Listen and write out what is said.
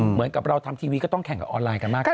เหมือนกับเราทำทีวีก็ต้องแข่งกับออนไลน์กันมากขึ้น